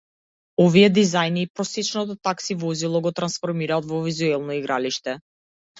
Овие дизајни, просечното такси возило го трансформираат во визуелно игралиште.